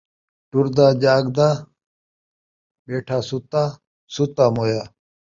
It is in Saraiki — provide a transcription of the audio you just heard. ٹردا جاڳدا، ٻیٹھا ستا، ستا مویا